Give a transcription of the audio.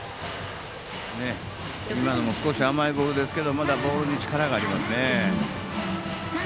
少し甘いボールですがまだボールに力がありますね。